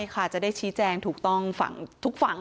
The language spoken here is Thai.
ใช่ค่ะจะได้ชี้แจงถูกต้องฝั่งทุกฝั่ง